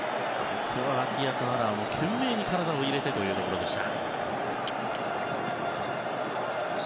ここはアティヤト・アラーも懸命に体を入れてというところでした。